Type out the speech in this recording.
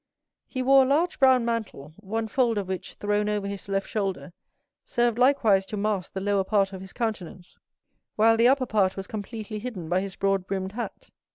He wore a large brown mantle, one fold of which, thrown over his left shoulder, served likewise to mask the lower part of his countenance, while the upper part was completely hidden by his broad brimmed hat.